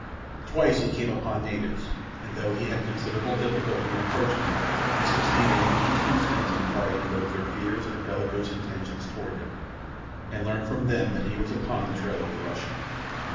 Twice he came upon natives, and, though he had considerable difficulty in approaching them, he succeeded in each instance in quieting both their fears and bellicose intentions toward him, and learned from them that he was upon the trail of the Russian.